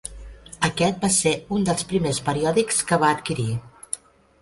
Aquest va ser un dels primers periòdics que va adquirir.